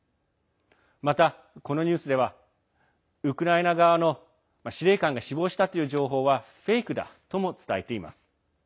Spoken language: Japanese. また、このニュースではウクライナ側の司令官が死亡したという情報はフェイクだとも伝えています。